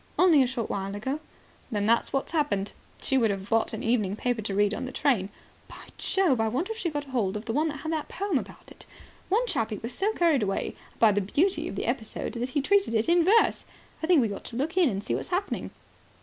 "Only a short while ago." "Then that's what's happened. She would have bought an evening paper to read in the train. By Jove, I wonder if she got hold of the one that had the poem about it. One chappie was so carried away by the beauty of the episode that he treated it in verse. I think we ought to look in and see what's happening."